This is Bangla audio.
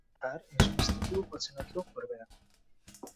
আর এই সমস্ত কিছু অচেনা কেউ করবে না।